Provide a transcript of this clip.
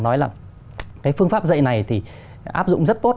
nói là cái phương pháp dạy này thì áp dụng rất tốt